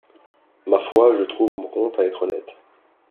Ma foi, je trouve mon compte à être honnête.